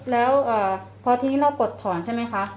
แล้วพอทีนี้เรากดถอนใช่ไหมคะ